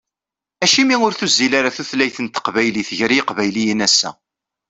Acimi ur tuzzil ara tutlayt n teqbaylit gar yiqbayliyen ass-a?